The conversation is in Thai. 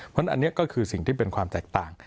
เพราะฉะนั้นอันนี้ก็คือสิ่งที่เป็นความแตกต่าง